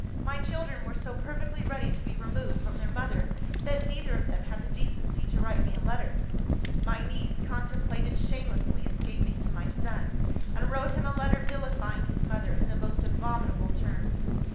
My children were so perfectly ready to be removed from their mother, that neither of them had the decency to write me a letter. My niece contemplated shamelessly escaping to my son, and wrote him a letter vilifying his mother in the most abominable terms.